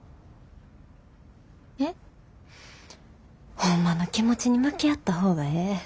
ホンマの気持ちに向き合った方がええ。